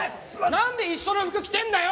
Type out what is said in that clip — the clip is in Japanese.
なんで一緒の服着てんだよ！？